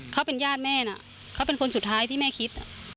เขาเป็นญาติแม่น่ะเขาเป็นคนสุดท้ายที่แม่คิด